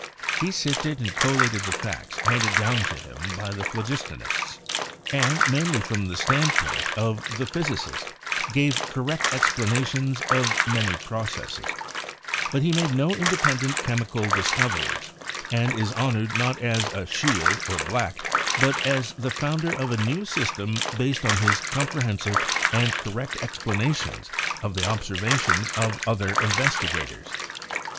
He sifted and collated the facts handed down to him by the phlogistonists, and, mainly from the standpoint of the physicist, gave correct explanations of many processes; but he made no independent chemical discoveries, and is honored not as a Scheele or Black, but as the founder of a new system based on his comprehensive and correct ex planations of the observations of other investigators.